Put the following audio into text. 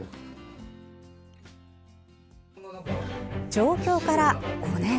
上京から５年。